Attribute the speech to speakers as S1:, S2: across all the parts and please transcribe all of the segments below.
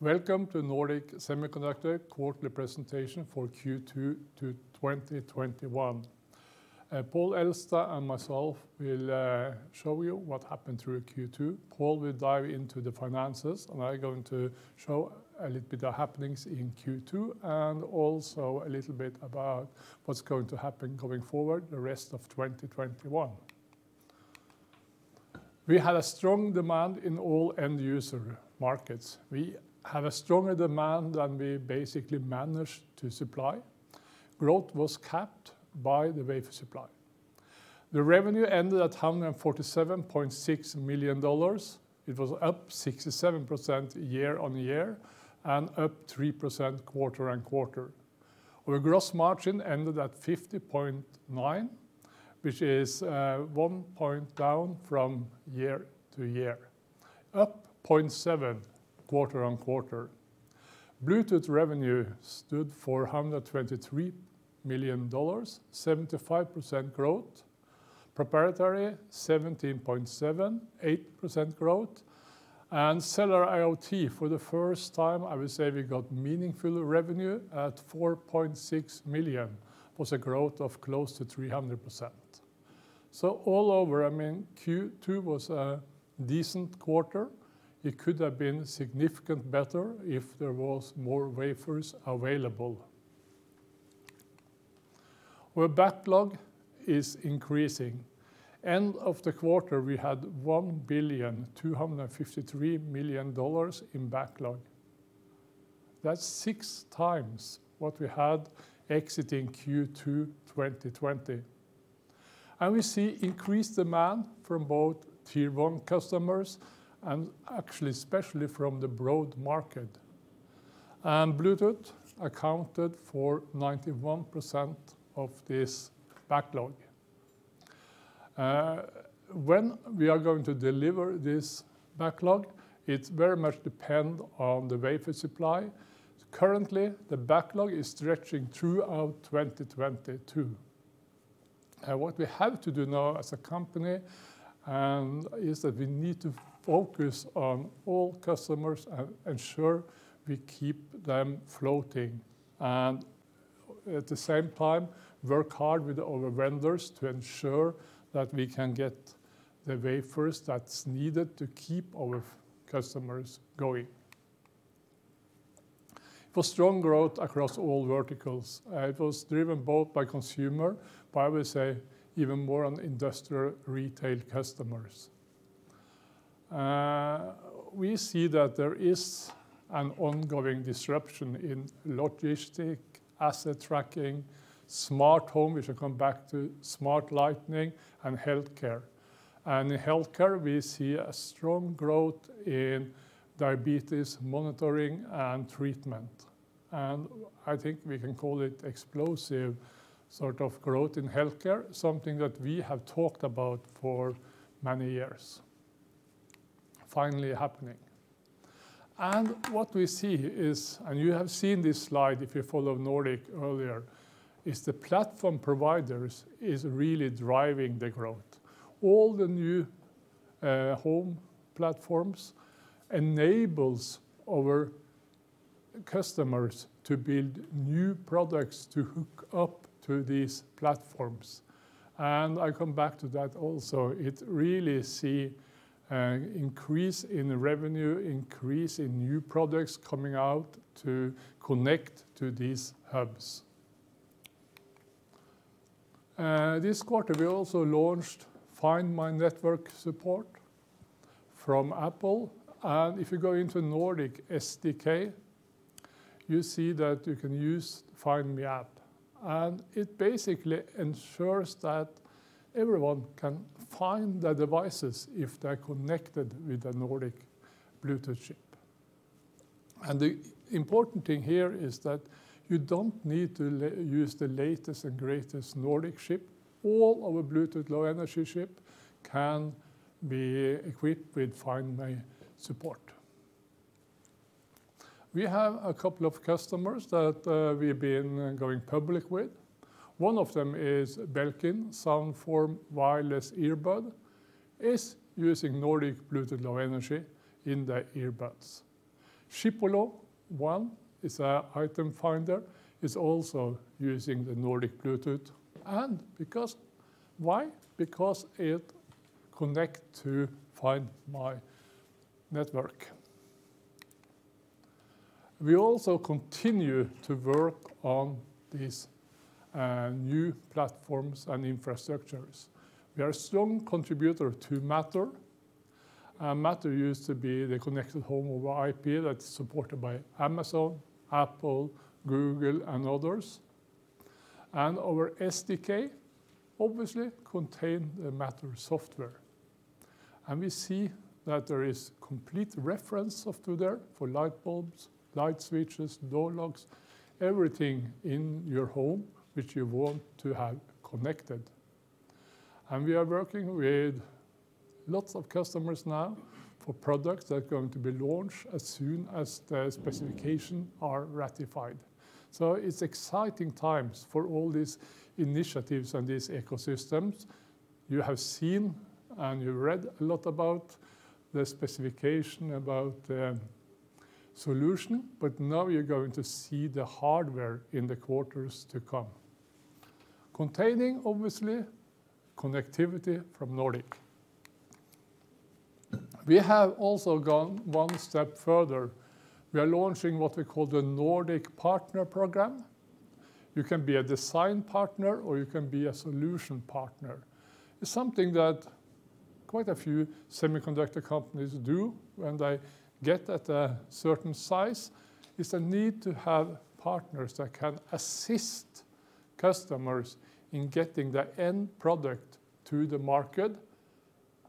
S1: Welcome to Nordic Semiconductor quarterly presentation for Q2 to 2021. Pål Elstad and myself will show you what happened through Q2. Pål will dive into the finances, and I'm going to show a little bit of happenings in Q2 and also a little bit about what's going to happen going forward the rest of 2021. We had a strong demand in all end user markets. We had a stronger demand than we basically managed to supply. Growth was capped by the wafer supply. The revenue ended at $147.6 million. It was up 67% year-on-year and up 3% quarter-on-quarter. Our gross margin ended at 50.9%, which is 1 point down from year-to-year, up 0.7% quarter-on-quarter. Bluetooth revenue stood for $123 million, 75% growth. Proprietary 17.78% growth. Cellular IoT for the first time, I would say we got meaningful revenue at $4.6 million, was a growth of close to 300%. All over, Q2 was a decent quarter. It could have been significantly better if there were more wafers available. Our backlog is increasing. End of the quarter, we had $1,253,000,000 in backlog. That's six times what we had exiting Q2 2020. We see increased demand from both tier one customers and actually especially from the broad market. Bluetooth accounted for 91% of this backlog. When we are going to deliver this backlog, it very much depends on the wafer supply. Currently, the backlog is stretching throughout 2022. What we have to do now as a company is that we need to focus on all customers and ensure we keep them floating, and at the same time work hard with our vendors to ensure that we can get the wafers that's needed to keep our customers going. For strong growth across all verticals, it was driven both by consumer, but I would say even more on industrial retail customers. We see that there is an ongoing disruption in logistic, asset tracking, smart home, which I'll come back to, smart lighting, and healthcare. In healthcare we see a strong growth in diabetes monitoring and treatment. I think we can call it explosive sort of growth in healthcare, something that we have talked about for many years finally happening. What we see is, and you have seen this slide if you follow Nordic earlier, is the platform providers is really driving the growth. All the new home platforms enables our customers to build new products to hook up to these platforms. I come back to that also. It really see increase in revenue, increase in new products coming out to connect to these hubs. This quarter we also launched Find My network support from Apple, and if you go into Nordic SDK, you see that you can use Find My app, and it basically ensures that everyone can find their devices if they're connected with a Nordic Bluetooth chip. The important thing here is that you don't need to use the latest and greatest Nordic chip. All our Bluetooth Low Energy chip can be equipped with Find My support. We have a couple of customers that we've been going public with. One of them is Belkin SOUNDFORM Wireless Earbud is using Nordic Bluetooth Low Energy in their earbuds. Chipolo ONE Spot is a item finder, is also using the Nordic Bluetooth. Because why? Because it connect to Find My network. We also continue to work on these new platforms and infrastructures. We are strong contributor to Matter used to be the Connected Home over IP that's supported by Amazon, Apple, Google, and others. Our SDK obviously contain the Matter software. We see that there is complete reference software there for light bulbs, light switches, door locks, everything in your home which you want to have connected. We are working with lots of customers now for products that are going to be launched as soon as the specifications are ratified. It's exciting times for all these initiatives and these ecosystems. You have seen and you read a lot about the specification about the solution, but now you're going to see the hardware in the quarters to come, containing, obviously, connectivity from Nordic. We have also gone one step further. We are launching what we call the Nordic Partner Program. You can be a design partner, or you can be a solution partner. It's something that quite a few semiconductor companies do when they get at a certain size. It's a need to have partners that can assist customers in getting their end product to the market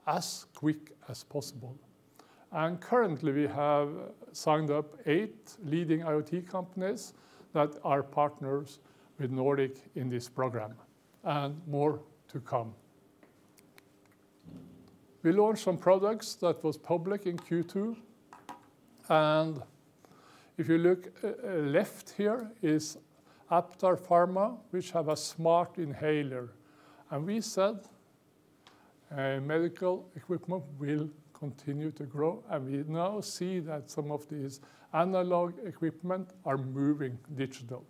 S1: as quick as possible. Currently, we have signed up eight leading IoT companies that are partners with Nordic in this program, and more to come. We launched some products that was public in Q2. If you look left here is Aptar Pharma, which have a smart inhaler. We said medical equipment will continue to grow, and we now see that some of these analog equipment are moving digital.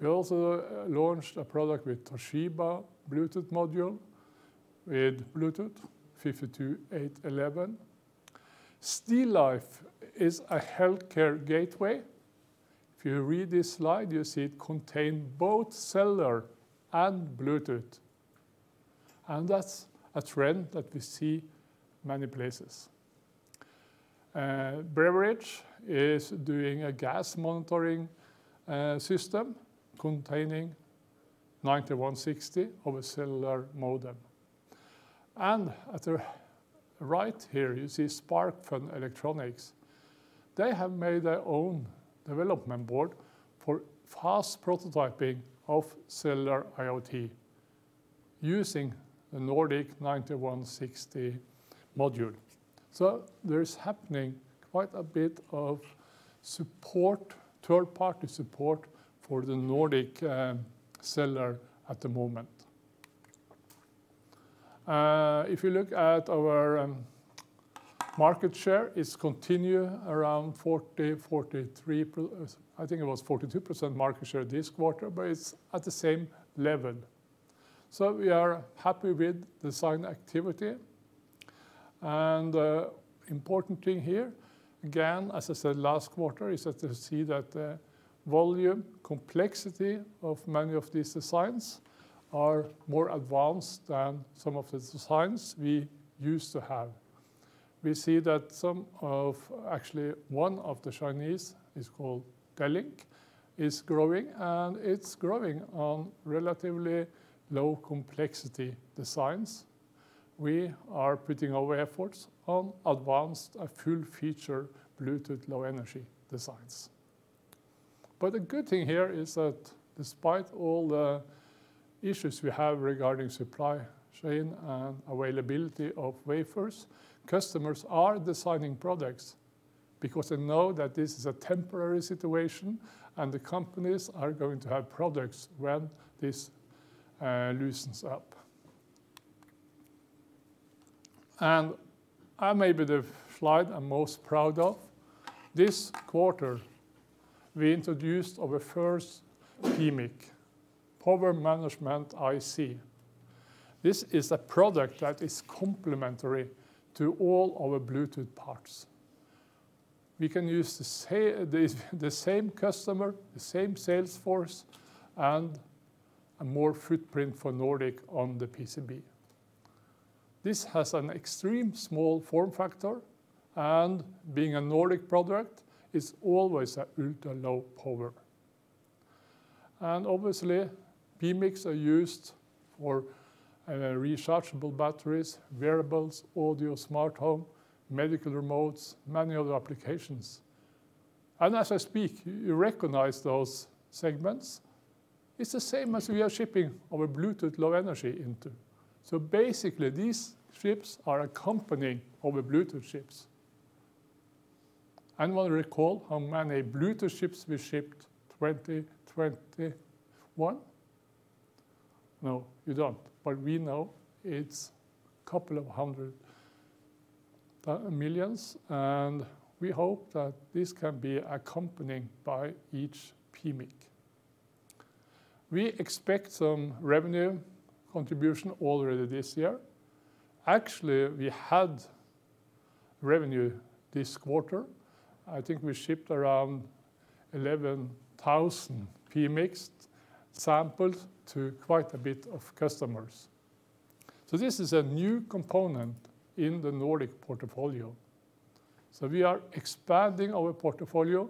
S1: We also launched a product with Toshiba, Bluetooth module, with nRF52811. StLife is a healthcare gateway. If you read this slide, you see it contain both cellular and Bluetooth, and that's a trend that we see many places. Braveridge is doing a gas monitoring system containing nRF9160 of a cellular modem. At the right here, you see SparkFun Electronics. They have made their own development board for fast prototyping of cellular IoT using the Nordic nRF9160 module. There's happening quite a bit of third-party support for the Nordic cellular at the moment. You look at our market share, it's continued around 40%, 43%. I think it was 42% market share this quarter, it's at the same level. We are happy with design activity, important thing here, again, as I said last quarter, is that we see that the volume complexity of many of these designs are more advanced than some of the designs we used to have. We see that actually, one of the Chinese is called Galink, is growing, it's growing on relatively low complexity designs. We are putting our efforts on advanced full feature Bluetooth Low Energy designs. The good thing here is that despite all the issues we have regarding supply chain and availability of wafers, customers are designing products because they know that this is a temporary situation, the companies are going to have products when this loosens up. Maybe the slide I'm most proud of. This quarter, we introduced our first PMIC, power management IC. This is a product that is complementary to all our Bluetooth parts. We can use the same customer, the same sales force, and more footprint for Nordic on the PCB. This has an extreme small form factor, and being a Nordic product, it's always at ultra-low power. Obviously, PMICs are used for rechargeable batteries, wearables, audio, smart home, medical remotes, manual applications. As I speak, you recognize those segments. It's the same as we are shipping our Bluetooth Low Energy into. Basically, these chips are accompanying our Bluetooth chips. Anyone recall how many Bluetooth chips we shipped 2021? No, you don't. We know it's a couple of hundred million, and we hope that this can be accompanied by each PMIC. We expect some revenue contribution already this year. We had revenue this quarter. I think we shipped around 11,000 PMIC samples to quite a bit of customers. This is a new component in the Nordic portfolio. We are expanding our portfolio,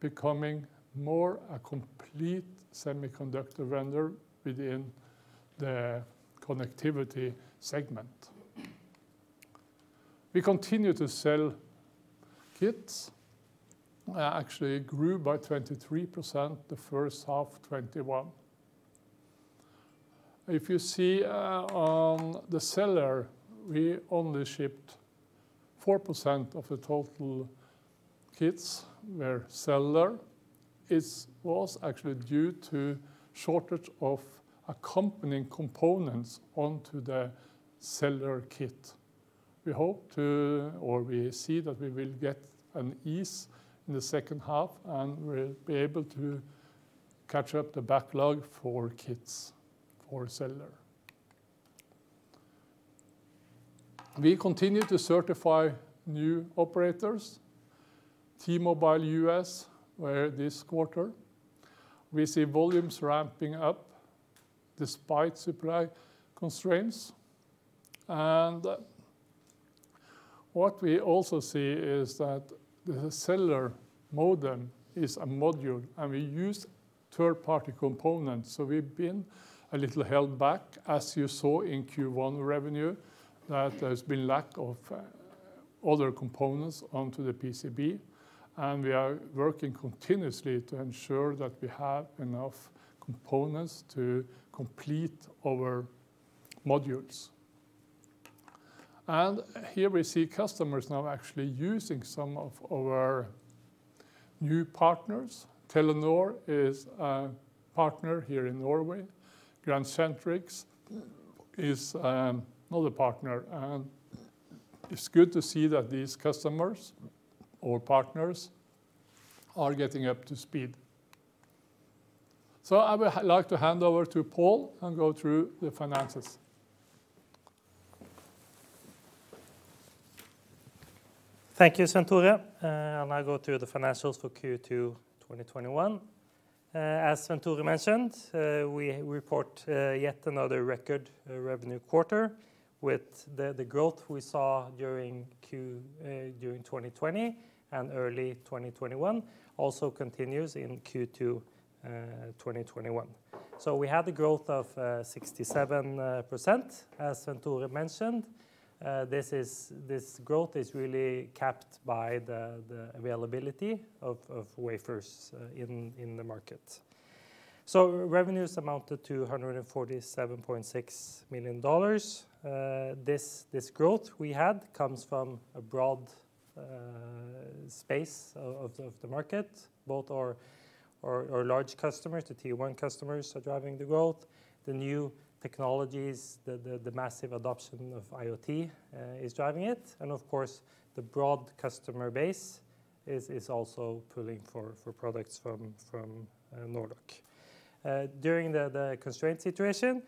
S1: becoming more a complete semiconductor vendor within the connectivity segment. We continue to sell kits. Grew by 23% the first half 2021. If you see on the cellular, we only shipped 4% of the total kits were cellular. It was actually due to shortage of accompanying components onto the cellular kit. We hope to, or we see that we will get an ease in the second half, and we'll be able to catch up the backlog for kits for cellular. We continue to certify new operators. T-Mobile US were this quarter. We see volumes ramping up despite supply constraints. What we also see is that the cellular modem is a module, we use third-party components. We've been a little held back, as you saw in Q1 revenue, that there's been lack of other components onto the PCB, we are working continuously to ensure that we have enough components to complete our modules. Here we see customers now actually using some of our new partners. Telenor is a partner here in Norway. Grandcentrix is another partner, it's good to see that these customers or partners are getting up to speed. I would like to hand over to Pål and go through the finances.
S2: Thank you, Ståle. I'm going to go through the financials for Q2 2021. As Ståle mentioned, we report yet another record revenue quarter with the growth we saw during 2020 and early 2021 also continues in Q2 2021. We had a growth of 67%, as Ståle mentioned. This growth is really capped by the availability of wafers in the market. Revenues amounted to $147.6 million. This growth we had comes from a broad space of the market. Both our large customers, the tier one customers, are driving the growth, the new technologies, the massive adoption of IoT is driving it, and of course, the broad customer base is also pulling for products from Nordic. During the constraint situation,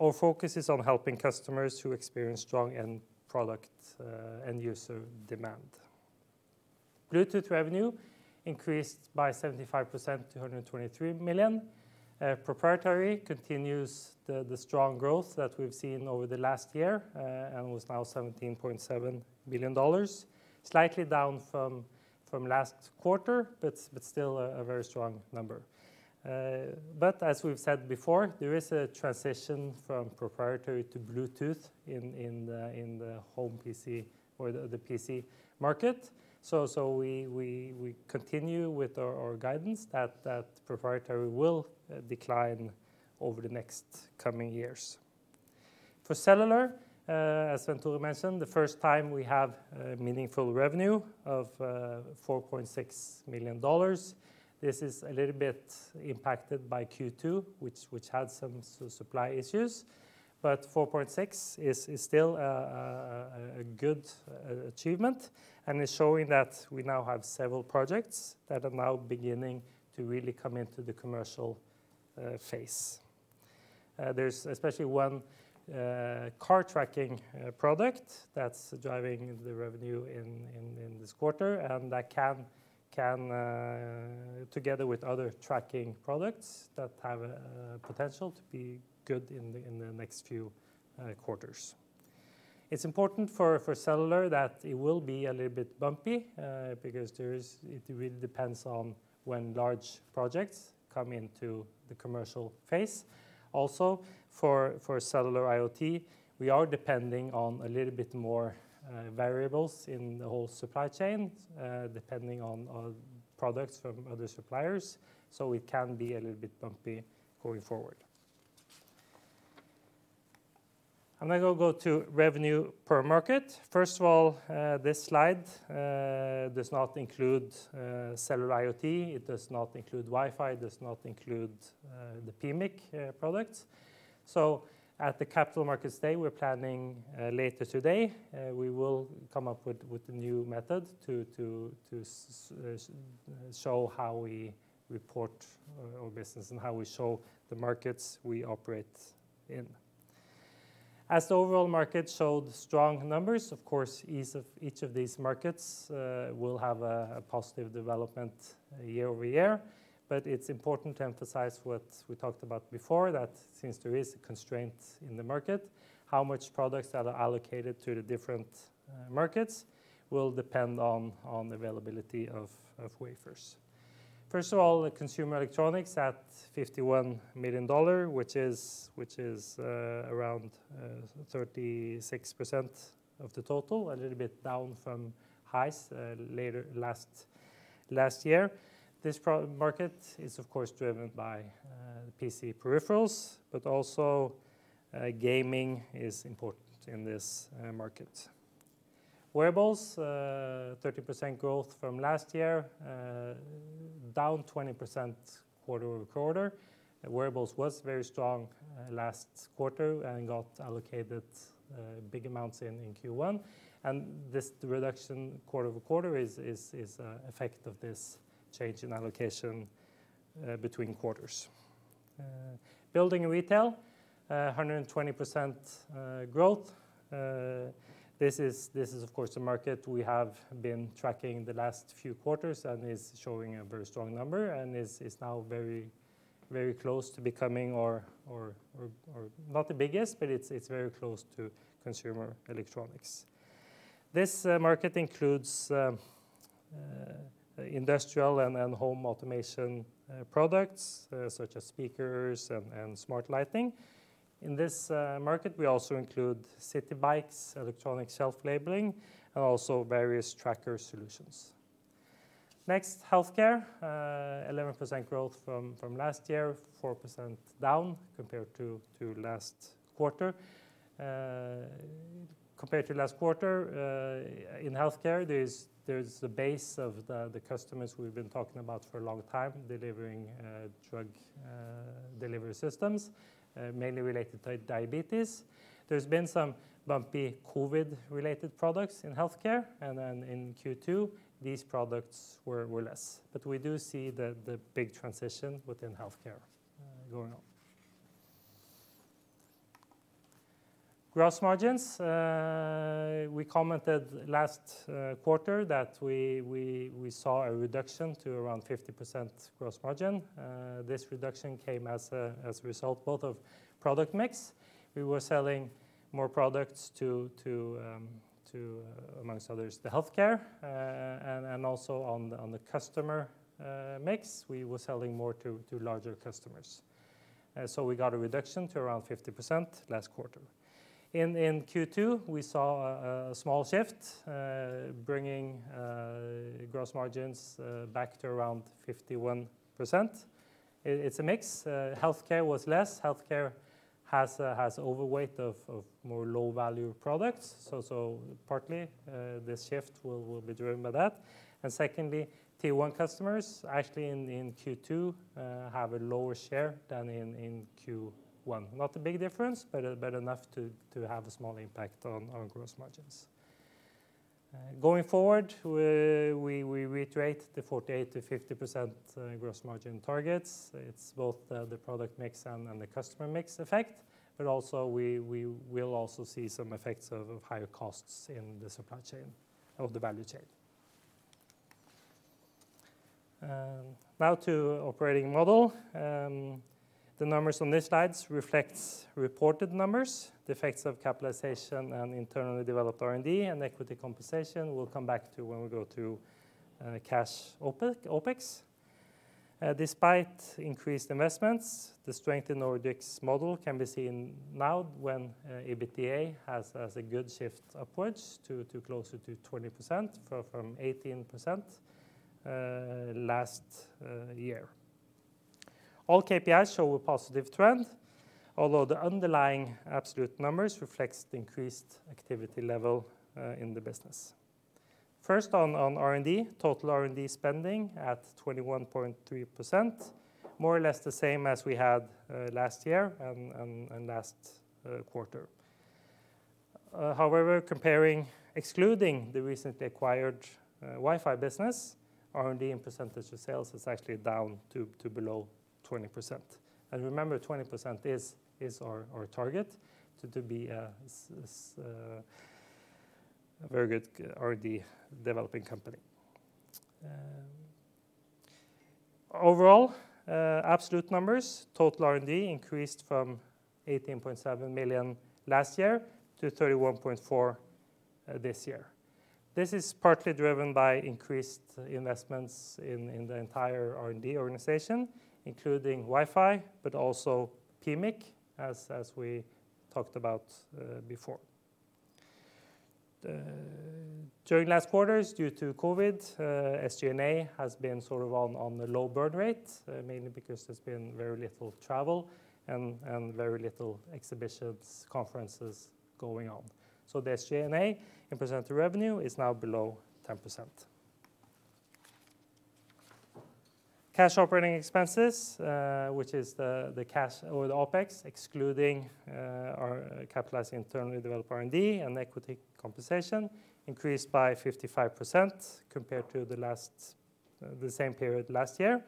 S2: our focus is on helping customers who experience strong end product end user demand. Bluetooth revenue increased by 75%, to $123 million. Proprietary continues the strong growth that we've seen over the last year, and was now $17.7 million. Slightly down from last quarter, still a very strong number. As we've said before, there is a transition from Proprietary to Bluetooth in the home PC or the PC market. We continue with our guidance that Proprietary will decline over the next coming years. For Cellular, as Ståle Ytterdal mentioned, the first time we have a meaningful revenue of $4.6 million. This is a little bit impacted by Q2, which had some supply issues. 4.6 is still a good achievement, and it's showing that we now have several projects that are now beginning to really come into the commercial phase. There's especially one car tracking product that's driving the revenue in this quarter, and that can, together with other tracking products that have potential to be good in the next few quarters. It's important for cellular that it will be a little bit bumpy, because it really depends on when large projects come into the commercial phase. Also, for Cellular IoT, we are depending on a little bit more variables in the whole supply chain, depending on products from other suppliers. It can be a little bit bumpy going forward. I'm going to go to revenue per market. First of all, this slide does not include Cellular IoT, it does not include Wi-Fi, it does not include the PMIC products. At the Capital Markets Day we are planning later today, we will come up with a new method to show how we report our business and how we show the markets we operate in. As the overall market showed strong numbers, of course, each of these markets will have a positive development year-over-year. It is important to emphasize what we talked about before, that since there is a constraint in the market, how much products are allocated to the different markets will depend on availability of wafers. First of all, the consumer electronics at $51 million, which is around 36% of the total, a little bit down from highs last year, this market is, of course, driven by PC peripherals, but also gaming is important in this market. Wearables, 30% growth from last year, down 20% quarter-over-quarter. Wearables was very strong last quarter and got allocated big amounts in Q1. This reduction quarter-over-quarter is an effect of this change in allocation between quarters. Building and retail, 120% growth. This is, of course, a market we have been tracking the last few quarters, and it's showing a very strong number, and is now very close to becoming not the biggest, but it's very close to consumer electronics. This market includes industrial and home automation products, such as speakers and smart lighting. In this market, we also include city bikes, electronic shelf labeling, and also various tracker solutions. Next, healthcare, 11% growth from last year, 4% down compared to last quarter. Compared to last quarter, in healthcare, there's the base of the customers we've been talking about for a long time, delivering drug delivery systems, mainly related to diabetes. There's been some bumpy COVID-related products in healthcare, then in Q2, these products were less. We do see the big transition within healthcare going on. Gross margins. We commented last quarter that we saw a reduction to around 50% gross margin. This reduction came as a result both of product mix. We were selling more products to, amongst others, the healthcare, and also on the customer mix, we were selling more to larger customers. We got a reduction to around 50% last quarter. In Q2, we saw a small shift, bringing gross margins back to around 51%. It's a mix. Healthcare was less. Healthcare has overweight of more low-value products. Partly, this shift will be driven by that. Secondly, Q1 customers actually in Q2 have a lower share than in Q1. Not a big difference, but enough to have a small impact on gross margins. Going forward, we reiterate the 48%-50% gross margin targets. It's both the product mix and the customer mix effect, but also we'll also see some effects of higher costs in the supply chain, of the value chain. Now to operating model. The numbers on this slide reflects reported numbers, the effects of capitalization and internally developed R&D and equity compensation. We'll come back to when we go through cash OPEX. Despite increased investments, the strength in Nordic's model can be seen now when EBITDA has a good shift upwards to closer to 20% from 18% last year. All KPIs show a positive trend, although the underlying absolute numbers reflects the increased activity level in the business. First on R&D. Total R&D spending at 21.3%, more or less the same as we had last year and last quarter. Comparing excluding the recently acquired Wi-Fi business, R&D in percentage of sales is actually down to below 20%. Remember, 20% is our target to be a very good R&D developing company. Overall, absolute numbers, total R&D increased from $18.7 million last year to $31.4 million this year. This is partly driven by increased investments in the entire R&D organization, including Wi-Fi, but also Keemik, as we talked about before. During last quarters, due to COVID, SG&A has been on the low burn rate, mainly because there's been very little travel and very little exhibitions, conferences going on. The SG&A in % of revenue is now below 10%. Cash operating expenses, which is the cash or the OPEX, excluding our capitalized internally developed R&D and equity compensation, increased by 55% compared to the same period last year.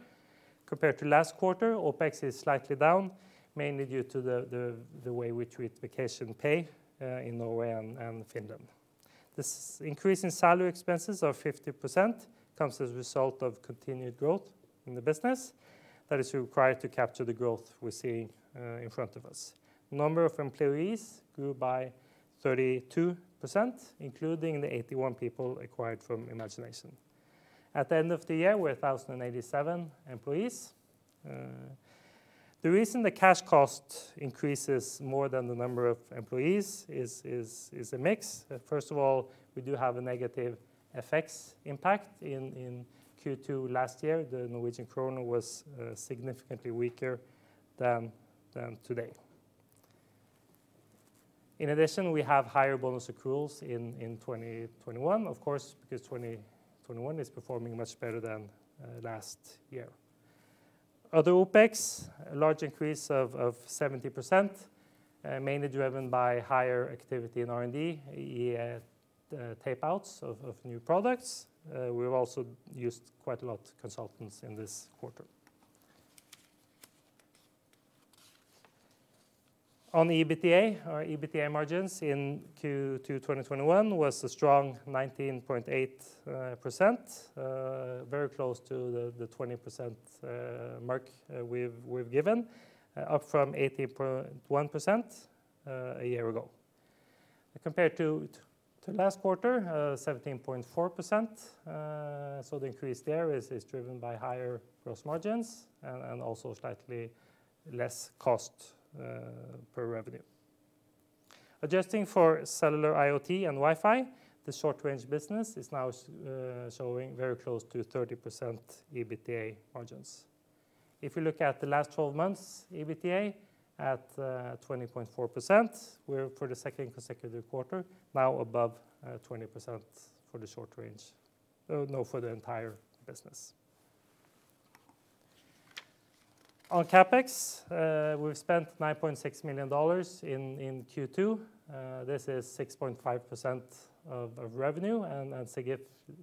S2: Compared to last quarter, OPEX is slightly down, mainly due to the way we treat vacation pay in Norway and Finland. This increase in salary expenses of 50% comes as a result of continued growth in the business that is required to capture the growth we see in front of us. Number of employees grew by 32%, including the 81 people acquired from Imagination. At the end of the year, we are 1,087 employees. The reason the cash cost increases more than the number of employees is a mix. First of all, we do have a negative FX impact in Q2 last year. The Norwegian kroner was significantly weaker than today. In addition, we have higher bonus accruals in 2021, of course, because 2021 is performing much better than last year. Other OPEX, a large increase of 70%, mainly driven by higher activity in R&D, i.e., payouts of new products. We've also used quite a lot of consultants in this quarter. On EBITDA, our EBITDA margins in Q2 2021 was a strong 19.8%, very close to the 20% mark we've given, up from 18.1% a year ago. Compared to last quarter, 17.4%, the increase there is driven by higher gross margins and also slightly less cost per revenue. Adjusting for cellular IoT and Wi-Fi, the short-range business is now showing very close to 30% EBITDA margins. If you look at the last 12 months EBITDA at 20.4%, we are for the second consecutive quarter now above 20% for the entire business. On CapEx, we've spent $9.6 million in Q2. This is 6.5% of revenue and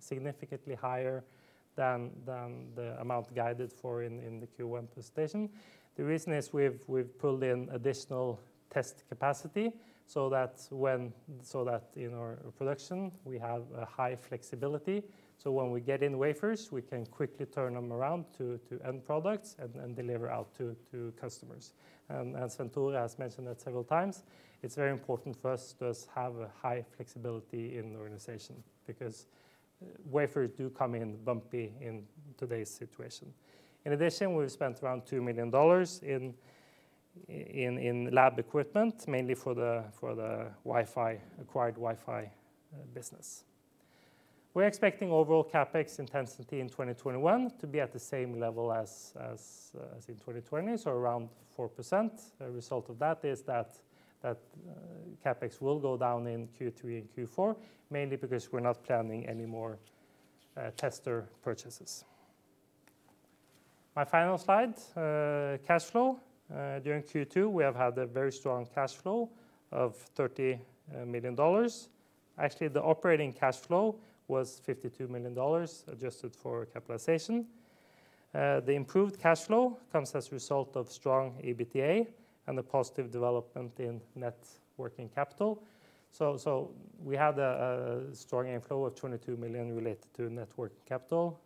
S2: significantly higher than the amount guided for in the Q1 presentation. The reason is we've pulled in additional test capacity so that in our production, we have a high flexibility. When we get in wafers, we can quickly turn them around to end products and deliver out to customers. As Ståle Ytterdal has mentioned several times, it is very important for us to have a high flexibility in the organization because wafers do come in bumpy in today's situation. In addition, we spent around $2 million in lab equipment, mainly for the acquired Wi-Fi business. We are expecting overall CapEx intensity in 2021 to be at the same level as in 2020, around 4%. A result of that is that CapEx will go down in Q3 and Q4, mainly because we are not planning any more tester purchases. My final slide, cash flow. During Q2, we have had a very strong cash flow of $30 million. Actually, the operating cash flow was $52 million, adjusted for capitalization. The improved cash flow comes as a result of strong EBITDA and a positive development in net working capital. We had a strong inflow of $22 million related to net working capital,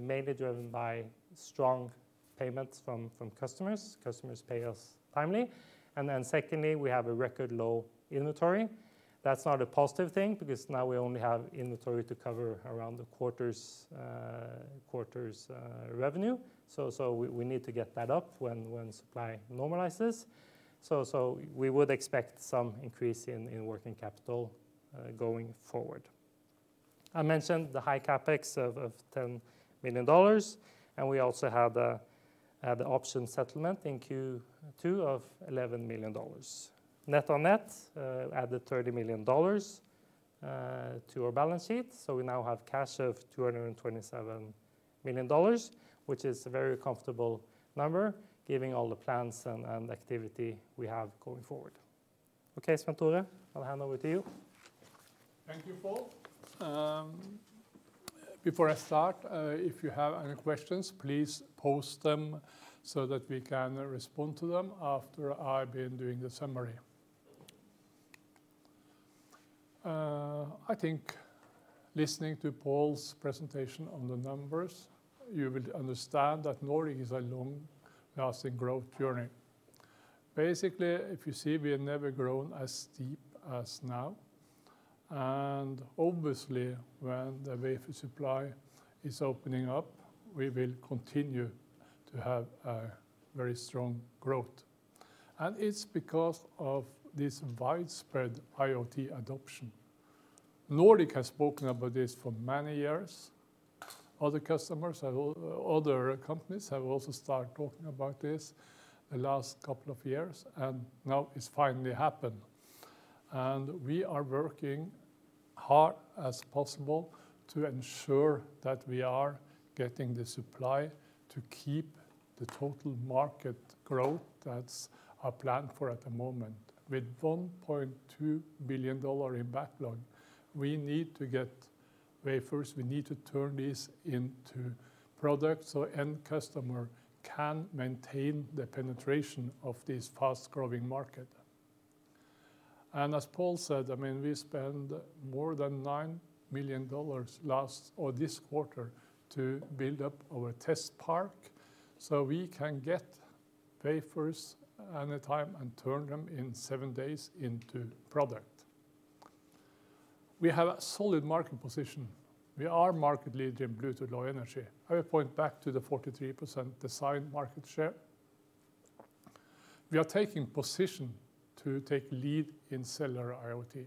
S2: mainly driven by strong payments from customers. Customers pay us timely. Secondly, we have a record low inventory. That's not a positive thing because now we only have inventory to cover around the quarter's revenue. We need to get that up when supply normalizes. We would expect some increase in working capital going forward. I mentioned the high CapEx of $10 million. We also had an option settlement in Q2 of $11 million. Net on net, added $30 million to our balance sheet. We now have cash of $227 million, which is a very comfortable number giving all the plans and activity we have going forward. Okay, Ståle Ytterdal, I'll hand over to you.
S1: Thank you, Pål. Before I start, if you have any questions, please post them so that we can respond to them after I've been doing the summary. I think listening to Pål's presentation on the numbers, you will understand that Nordic is a long-lasting growth journey. Basically, if you see, we have never grown as steep as now. Obviously, when the wafer supply is opening up, we will continue to have a very strong growth. It's because of this widespread IoT adoption. Nordic has spoken about this for many years. Other companies have also started talking about this the last couple of years. Now it's finally happened. We are working hard as possible to ensure that we are getting the supply to keep the total market growth that's planned for at the moment. With $1.2 billion in backlog, we need to get wafers. We need to turn this into products so end customer can maintain the penetration of this fast-growing market. As Pål said, we spend more than $9 million this quarter to build up our test park so we can get wafers anytime and turn them in seven days into product. We have a solid market position. We are market-leading Bluetooth Low Energy. I point back to the 43% design market share. We are taking position to take lead in cellular IoT.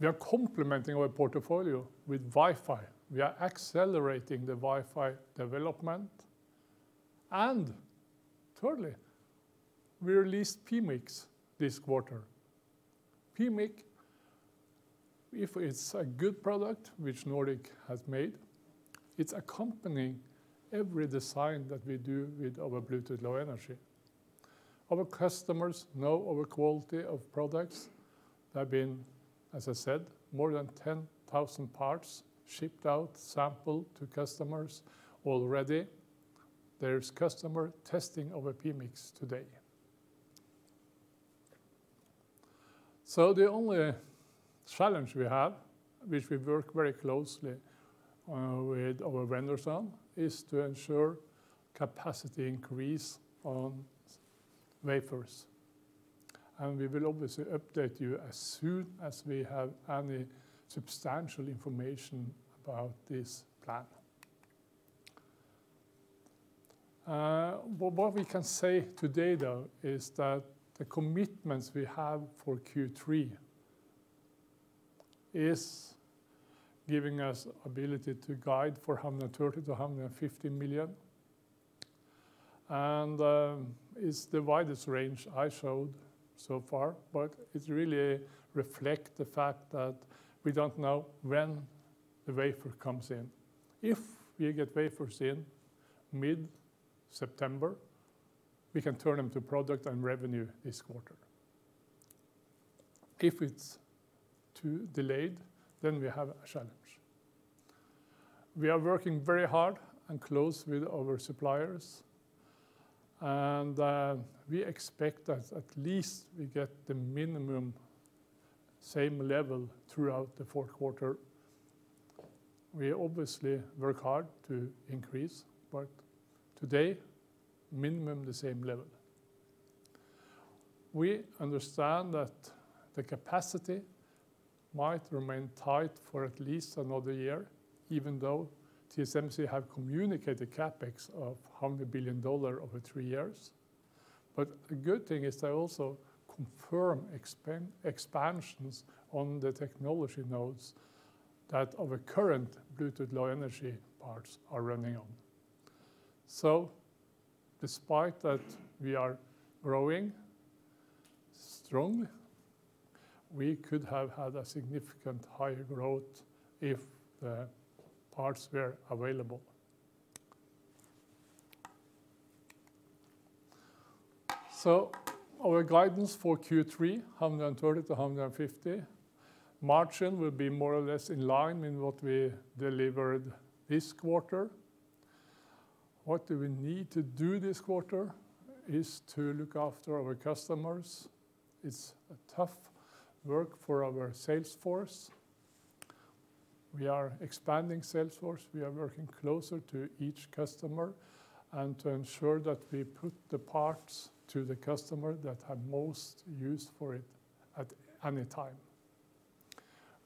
S1: We are complementing our portfolio with Wi-Fi. We are accelerating the Wi-Fi development, thirdly, we released PMIC this quarter. PMIC, if it's a good product, which Nordic has made, it's accompanying every design that we do with our Bluetooth Low Energy. Our customers know our quality of products have been, as I said, more than 10,000 parts shipped out, sampled to customers already. There is customer testing of PMIC today. The only challenge we have, which we work very closely with our vendors on, is to ensure capacity increase on wafers, and we will obviously update you as soon as we have any substantial information about this plan. What we can say today, though, is that the commitments we have for Q3 is giving us ability to guide for $130 million-$150 million, and it's the widest range I showed so far, but it really reflect the fact that we don't know when the wafer comes in. If we get wafers in mid-September, we can turn into product and revenue this quarter. If it's too delayed, we have a challenge. We are working very hard and close with our suppliers, and we expect that at least we get the minimum same level throughout the fourth quarter. We obviously work hard to increase, today, minimum the same level. We understand that the capacity might remain tight for at least another year, even though TSMC have communicated CapEx of $100 billion over three years. The good thing is they also confirm expansions on the technology nodes that our current Bluetooth Low Energy parts are running on. Despite that we are growing strongly, we could have had a significant higher growth if the parts were available. Our guidance for Q3, $130 million-$150 million. Margin will be more or less in line in what we delivered this quarter. What do we need to do this quarter is to look after our customers. It's a tough work for our sales force. We are expanding sales force. We are working closer to each customer and to ensure that we put the parts to the customer that have most use for it at any time.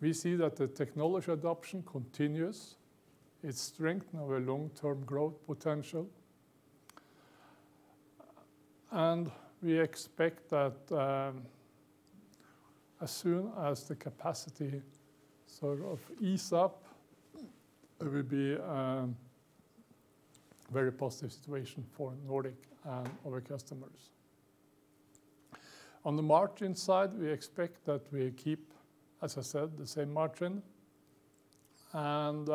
S1: We see that the technology adoption continues. It strengthen our long-term growth potential. We expect that as soon as the capacity sort of ease up, it will be a very positive situation for Nordic and our customers. On the margin side, we expect that we keep, as I said, the same margin, and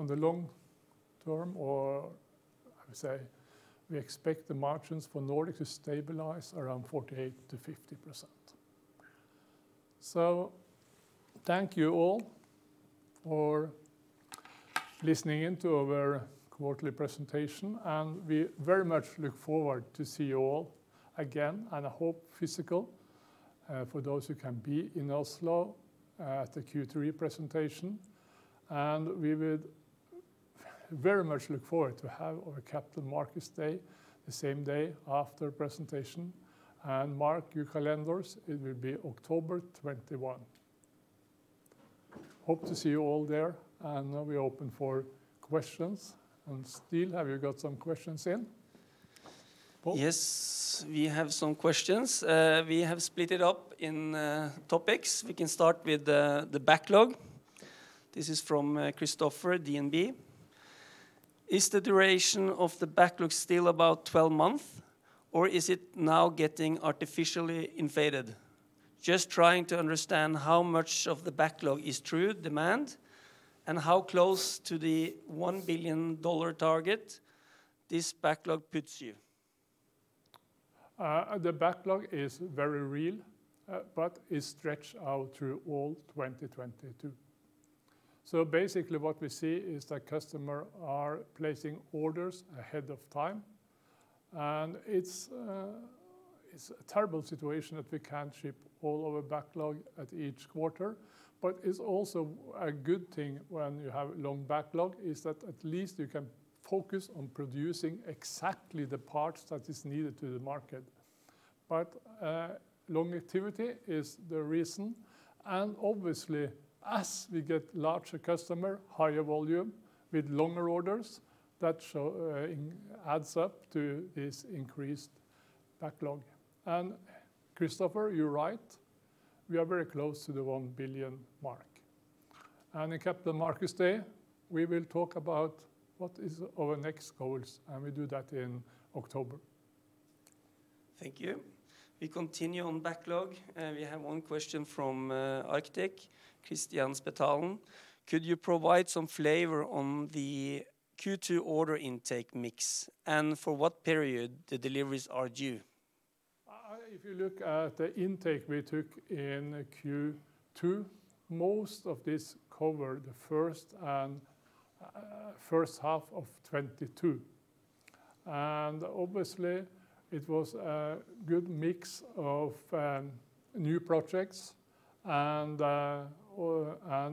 S1: on the long term, or I would say, we expect the margins for Nordic to stabilize around 48%-50%.
S3: Thank you all for listening in to our quarterly presentation, we very much look forward to see you all again, I hope physical, for those who can be in Oslo at the Q3 presentation, we would very much look forward to have our Capital Markets Day the same day after presentation. Mark your calendars, it will be October 21. Hope to see you all there, now we open for questions. Ståle, have you got some questions in?
S1: Yes, we have some questions. We have split it up in topics. We can start with the backlog. This is from Christoffer at DNB. "Is the duration of the backlog still about 12 months, or is it now getting artificially inflated? Just trying to understand how much of the backlog is true demand and how close to the $1 billion target this backlog puts you.
S3: The backlog is very real, it stretch out through all 2022. Basically, what we see is that customer are placing orders ahead of time, and it's a terrible situation that we can't ship all of our backlog at each quarter. It's also a good thing when you have a long backlog, is that at least you can focus on producing exactly the parts that is needed to the market. Long activity is the reason. Obviously, as we get larger customer, higher volume with longer orders, that adds up to this increased backlog. Christoffer, you're right, we are very close to the 1 billion mark. In Capital Markets Day, we will talk about what is our next goals, and we do that in October.
S1: Thank you. We continue on backlog. We have one question from Arctic Securities, Kristian Spetalen. Could you provide some flavor on the Q2 order intake mix and for what period the deliveries are due?
S3: If you look at the intake we took in Q2, most of this covered the first half of 2022. Obviously, it was a good mix of new projects and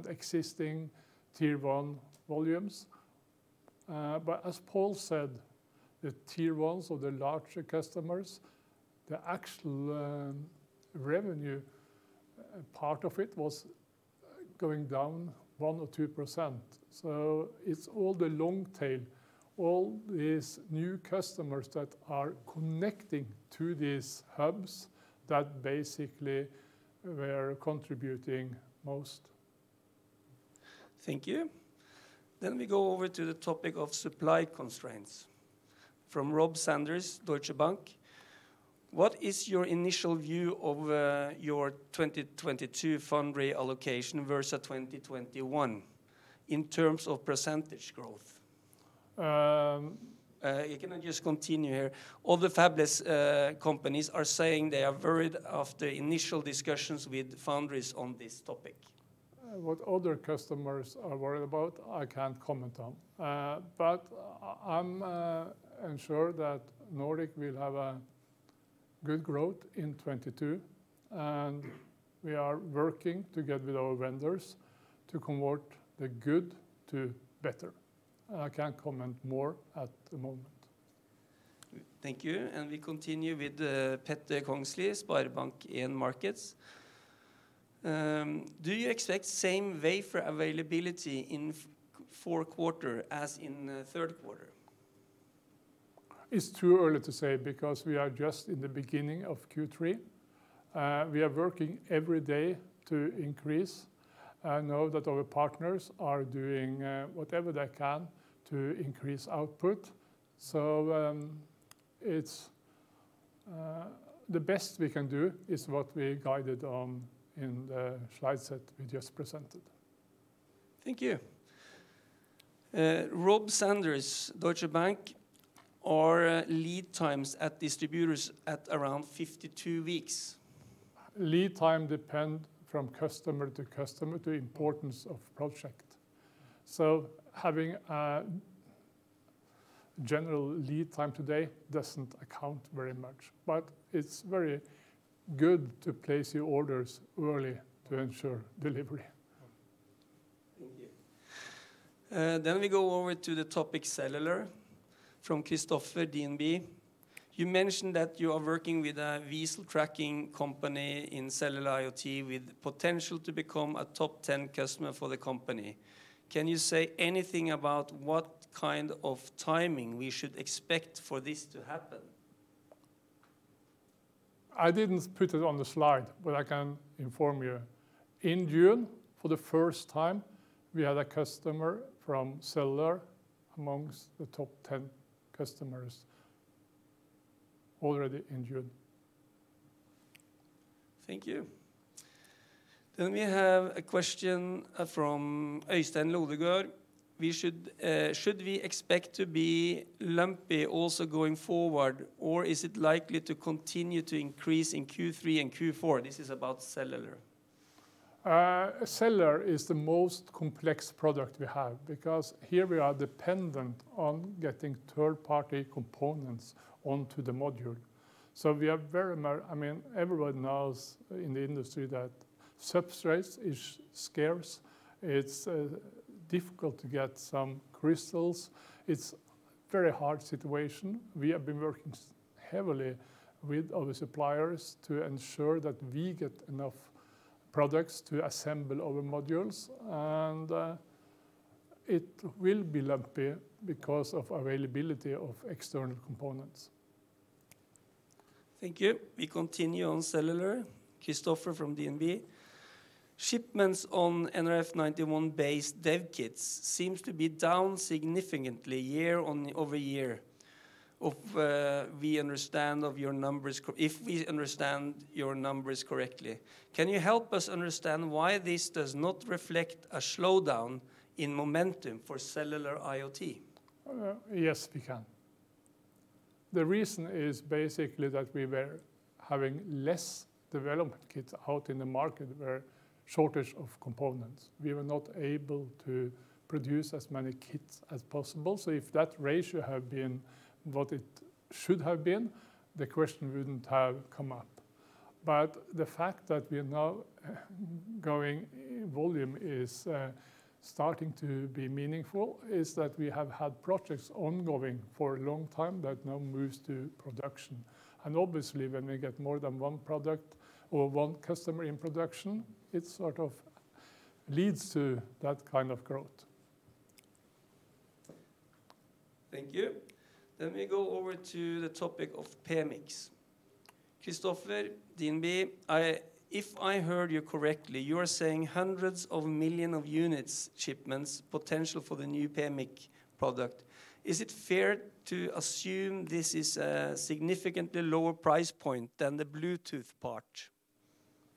S3: existing tier one volumes. As Pål said, the tier ones or the larger customers, the actual revenue part of it was going down 1% or 2%. It's all the long tail, all these new customers that are connecting to these hubs that basically were contributing most.
S1: Thank you. We go over to the topic of supply constraints. From Rob Sanders, Deutsche Bank. What is your initial view of your 2022 foundry allocation versus 2021 in terms of percentage growth? Can I just continue here? All the fabless companies are saying they are worried after initial discussions with foundries on this topic.
S3: What other customers are worried about, I can't comment on. I'm sure that Nordic will have a good growth in 2022, and we are working together with our vendors to convert the good to better. I can't comment more at the moment.
S1: Thank you. We continue with Petter Kongslie, SpareBank 1 Markets. Do you expect same wafer availability in fourth quarter as in the third quarter?
S3: It's too early to say because we are just in the beginning of Q3. We are working every day to increase. I know that our partners are doing whatever they can to increase output. The best we can do is what we guided on in the slide set we just presented.
S1: Thank you. Rob Sanders, Deutsche Bank. Are lead times at distributors at around 52 weeks?
S3: Lead time depend from customer to customer to importance of project. Having a general lead time today doesn't account very much, but it's very good to place your orders early to ensure delivery.
S1: Thank you. We go over to the topic cellular, from Christoffer, DNB. You mentioned that you are working with a vehicle tracking company in Cellular IoT with potential to become a top 10 customer for the company. Can you say anything about what kind of timing we should expect for this to happen?
S3: I didn't put it on the slide, but I can inform you. In June, for the first time, we had a customer from cellular amongst the top 10 customers. Already in June.
S1: Thank you. We have a question from Øystein Lodgaard. Should we expect to be lumpy also going forward, or is it likely to continue to increase in Q3 and Q4? This is about cellular.
S3: Cellular is the most complex product we have because here we are dependent on getting third-party components onto the module. Everyone knows in the industry that substrates is scarce. It's difficult to get some crystals. It's very hard situation. We have been working heavily with our suppliers to ensure that we get enough products to assemble our modules, and it will be lumpy because of availability of external components.
S1: Thank you. We continue on cellular. Christoffer from DNB. Shipments on nRF91-based dev kits seem to be down significantly year-over-year, if we understand your numbers correctly. Can you help us understand why this does not reflect a slowdown in momentum for Cellular IoT?
S3: Yes, we can. The reason is basically that we were having less development kits out in the market. We were shortage of components. We were not able to produce as many kits as possible. If that ratio had been what it should have been, the question wouldn't have come up. The fact that we are now going volume is starting to be meaningful is that we have had projects ongoing for a long time that now moves to production. Obviously, when we get more than one product or one customer in production, it leads to that kind of growth.
S1: Thank you. We go over to the topic of PMICs. Kristoffer, DNB. If I heard you correctly, you are saying hundreds of million of units shipments potential for the new PMIC product. Is it fair to assume this is a significantly lower price point than the Bluetooth part?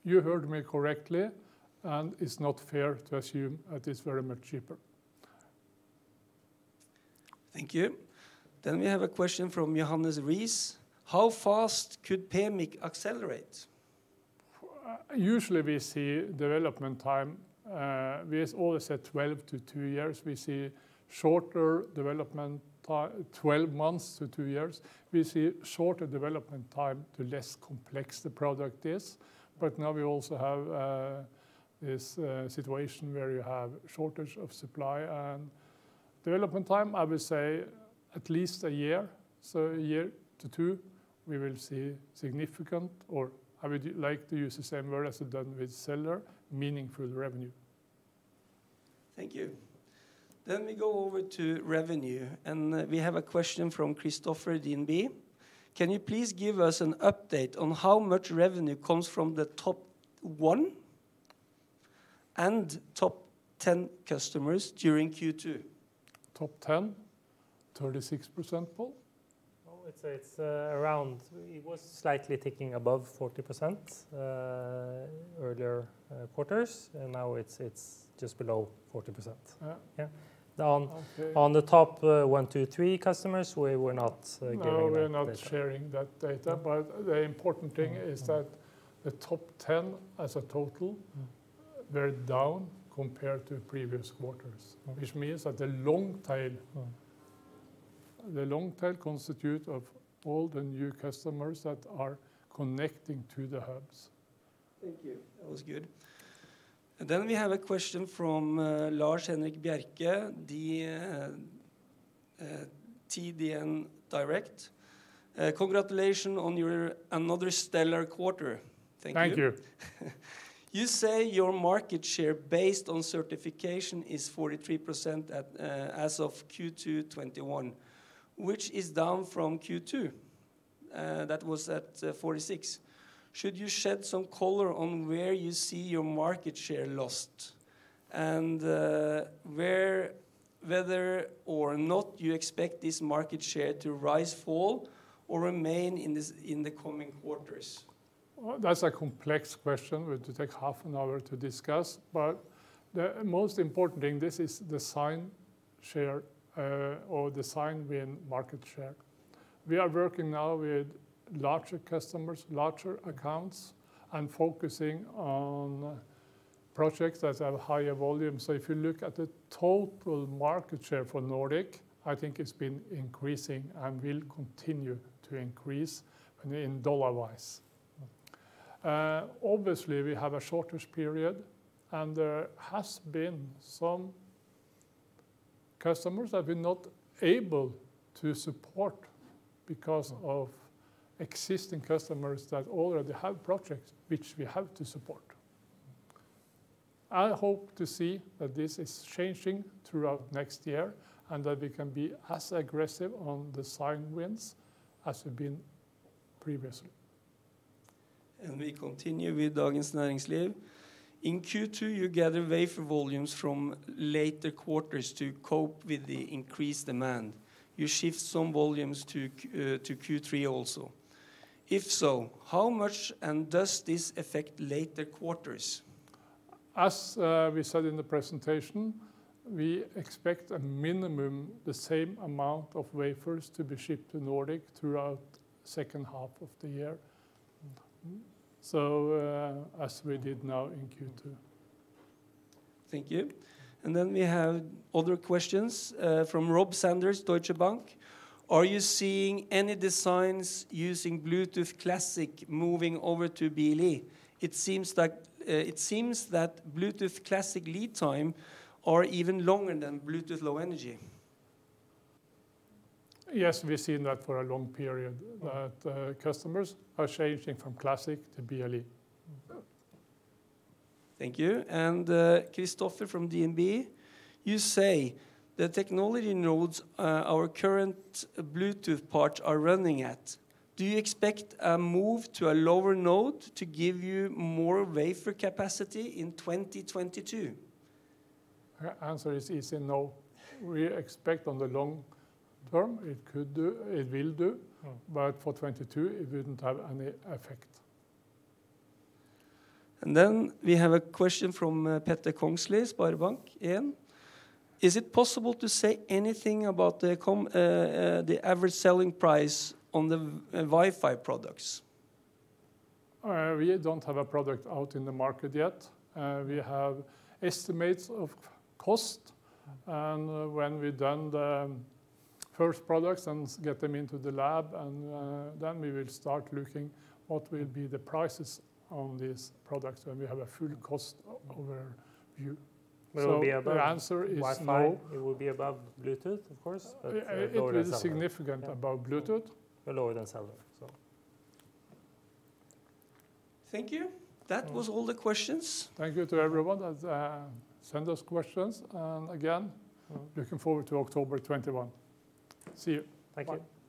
S3: You heard me correctly, and it's not fair to assume that it's very much cheaper.
S1: Thank you. We have a question from Johannes Riis. How fast could PMIC accelerate?
S3: Usually, we see development time, we always say 12 to two years. We see shorter development, 12 months to two years. We see shorter development time, the less complex the product is. Now we also have this situation where you have shortage of supply and development time, I would say at least a year. A year to two, we will see significant, or I would like to use the same word as I've done with cellular, meaningful revenue.
S1: Thank you. We go over to revenue, and we have a question from Kristoffer, DNB. Can you please give us an update on how much revenue comes from the top one and top 10 customers during Q2?
S3: Top 10, 36%, Pål?
S2: Oh, it was slightly ticking above 40% earlier quarters, and now it is just below 40%.
S3: Yeah.
S2: Yeah. Okay. On the top one to three customers, we were not.
S3: No, we're not sharing that data. The important thing is that the top 10 as a total, they're down compared to previous quarters.
S1: Okay.
S3: Which means that the long tail constitute of all the new customers that are connecting to the hubs.
S1: Thank you. That was good. We have a question from Lars Henrik Bjerke, the TDN Direkt. "Congratulations on your another stellar quarter." Thank you.
S3: Thank you.
S1: You say your market share based on certification is 43% as of Q2 2021, which is down from Q2. That was at 46%. Should you shed some color on where you see your market share lost, and whether or not you expect this market share to rise, fall, or remain in the coming quarters?
S3: That's a complex question, we would take half an hour to discuss, but the most important thing, this is design share, or design win market share. We are working now with larger customers, larger accounts, and focusing on projects that have higher volume. If you look at the total market share for Nordic, I think it's been increasing and will continue to increase in dollar-wise. Obviously, we have a shortage period, and there has been some customers that we're not able to support because of existing customers that already have projects which we have to support. I hope to see that this is changing throughout next year, and that we can be as aggressive on design wins as we've been previously.
S1: We continue with Dagens Næringsliv. In Q2, you gather wafer volumes from later quarters to cope with the increased demand. You shift some volumes to Q3 also. If so, how much, and does this affect later quarters?
S3: As we said in the presentation, we expect a minimum the same amount of wafers to be shipped to Nordic throughout second half of the year. As we did now in Q2.
S1: Thank you. We have other questions from Rob Sanders, Deutsche Bank. Are you seeing any designs using Bluetooth Classic moving over to BLE? It seems that Bluetooth Classic lead time are even longer than Bluetooth Low Energy.
S3: Yes, we've seen that for a long period, that customers are changing from Classic to BLE.
S1: Thank you. Christoffer from DNB. You say the technology nodes our current Bluetooth parts are running at, do you expect a move to a lower node to give you more wafer capacity in 2022?
S3: Answer is easy, no. We expect on the long term, it will do, but for 2022, it wouldn't have any effect.
S1: We have a question from Petter Kongslie, SpareBank 1. Is it possible to say anything about the average selling price on the Wi-Fi products?
S3: We don't have a product out in the market yet. We have estimates of cost, when we've done the first products and get them into the lab, then we will start looking what will be the prices on these products, when we have a full cost overview.
S1: Will be able-
S3: The answer is no
S1: Wi-Fi, it will be above Bluetooth, of course, but lower than cellular.
S3: It is significant above Bluetooth.
S1: Lower than cellular. Thank you. That was all the questions.
S3: Thank you to everyone that sent us questions, and again, looking forward to October 21. See you. Bye.
S1: Thank you.